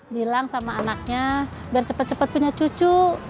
bilang sama anaknya biar cepet cepet punya cucu